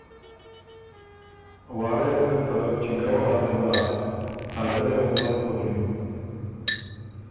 وارث ګۀ ته چِګؤ هځه داک، ا غِړئ یه وه ملک بُکِن